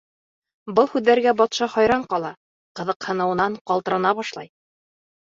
Был һүҙҙәргә батша хайран ҡала, ҡыҙыҡһыныуынан ҡалтырана башлай.